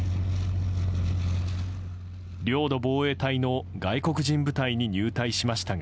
領土防衛隊の外国人部隊に入隊しましたが。